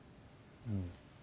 うん。